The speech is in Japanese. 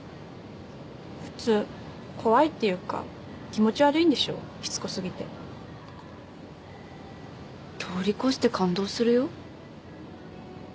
普通怖いっていうか気持ち悪いんでしょしつこすぎて通り越して感動するよ